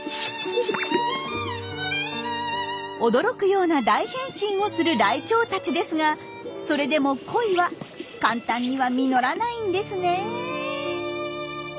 驚くような大変身をするライチョウたちですがそれでも恋は簡単には実らないんですね。